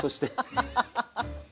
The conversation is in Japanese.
ハハハハッ。